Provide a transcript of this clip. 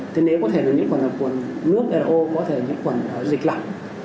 thế nếu có thể là nhiễm khuẩn ở khuẩn nước l o có thể là nhiễm khuẩn ở dịch lọc